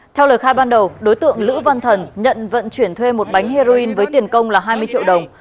theo lời khai ban đầu đối tượng lữ văn thần nhận vận chuyển thuê một bánh heroin với tiền công là hai mươi triệu đồng